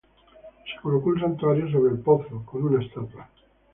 Se colocó un santuario sobre el pozo con una estatua de la Virgen María.